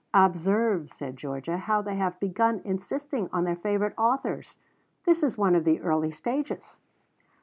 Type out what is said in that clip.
"Observe," said Georgia, "how they have begun insisting on their favourite authors. This is one of the early stages."